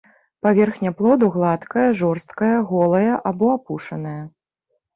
Паверхня плоду гладкая, жорсткая, голая або апушаная.